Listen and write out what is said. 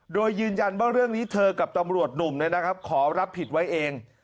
โดยยืนยันว่าเรื่องนี้เธอกับตำรวจหนุ่มขอรับผิดไว้เอง